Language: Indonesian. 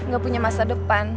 gak punya masa depan